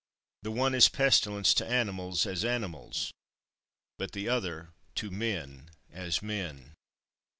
The one is pestilence to animals as animals: but the other to men as men.